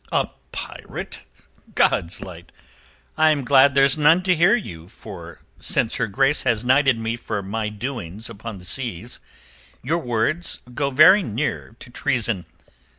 "A pirate? God's light! I am glad there's none to hear you for since her grace has knighted me for my doings upon the seas, your words go very near to treason.